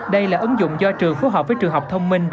đây là ứng dụng do trường phù hợp với trường học thông minh